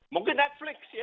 mungkin netflix ya